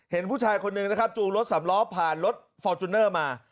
เห็นผู้ชายคนหนึ่งนะครับจูงรถสำล้อผ่านรถฟอร์จูเนอร์มา